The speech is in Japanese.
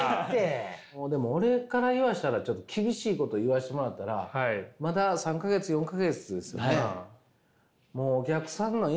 もうでも俺から言わせたらちょっと厳しいこと言わしてもらったらまだ３か月４か月ですよね？